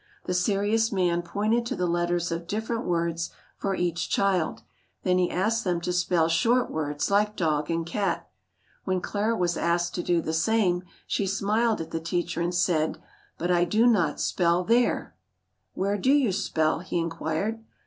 The serious man pointed to the letters of different words for each child, then he asked them to spell short words like dog and cat. When Clara was asked to do the same, she smiled at the teacher and said: "But I do not spell there!" "Where do you spell?" he inquired.